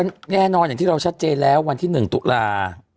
แน่นอนอย่างที่เราชัดเจนแล้ววันที่๑ตุลา